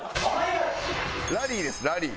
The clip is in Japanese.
ラリーですラリー。